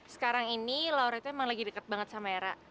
sekarang ini lauratnya emang lagi deket banget sama era